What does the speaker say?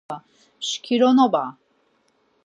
Mşkironoba...